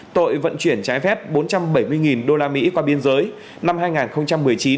tội vận chuyển trái phép bốn trăm bảy mươi usd qua biên giới năm hai nghìn một mươi chín